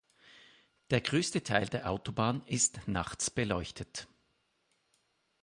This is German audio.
Der größte Teil der Autobahn ist nachts beleuchtet.